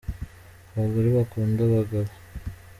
abagore bakunda abagabo